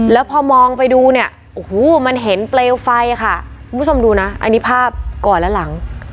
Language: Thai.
แล้วพอมองไปดูเนี่ยโอ้โหมันเห็นเปลวไฟค่ะคุณผู้ชมดูนะอันนี้ภาพก่อนและหลัง